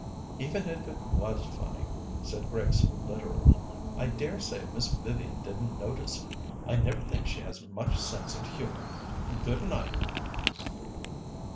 "Even if it was funny," said Grace literally, "I dare say Miss Vivian didn't notice it. I never think she has much sense of humour. Good night."